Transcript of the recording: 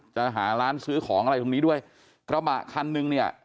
จะหาร้านซื้อของอะไรตรงนี้ด้วยกระบะคันนึงเนี่ย